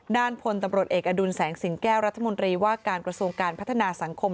ด้านพลตำรวจเอกอดุลแสงสิงแก้วรัฐมนตรีว่าการกระทรวงการพัฒนาสังคม